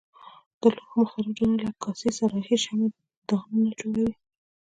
د لوښو مختلف ډولونه لکه کاسې صراحي شمعه دانونه جوړوي.